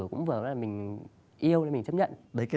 cũng vừa là mình yêu nên mình chấp nhận